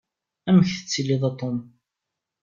Amek tettiliḍ a Tom?